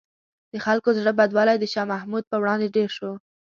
د خلکو زړه بدوالی د شاه محمود په وړاندې ډېر شو.